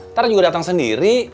ntar juga datang sendiri